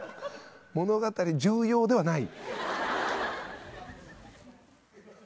物語重要ではない。